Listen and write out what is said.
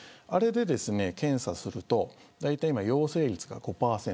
あれでですね、検査するとだいたい、今陽性率が５％。